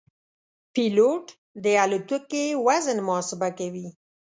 پیلوټ د الوتکې وزن محاسبه کوي.